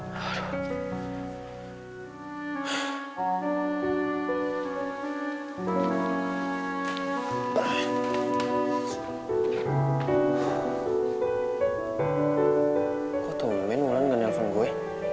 kau tau men mulai nge nelfon gue